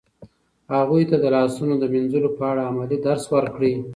هغوی ته د لاسونو د مینځلو په اړه عملي درس ورکړئ.